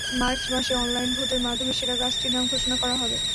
March মাসে online ভোটের মাধ্যমে সেরা গাছটির নাম ঘোষণা করা হবে।